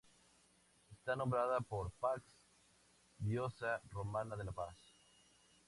Está nombrado por Pax, diosa romana de la paz.